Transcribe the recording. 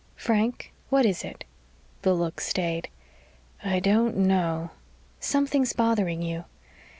"Frank what is it?" The look stayed. "I don't know." "Something's bothering you."